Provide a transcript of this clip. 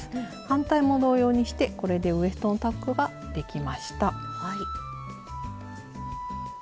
反対も同様にしてこれでウエストのタックができました。